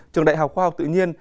trường đại học khoa học tự nhiên